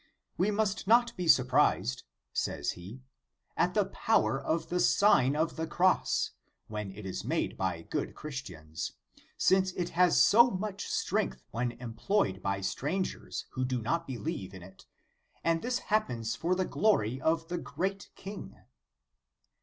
"We must not be surprised," says he, "at the power of the Sign of the Cross when it is made by good Chris tians, since it has so much strength when em ployed by strangers, who do not believe in * Hist., lib. xviii. c. 20. In the Nineteenth Century. 137 it, and this happens for the glory of the great King."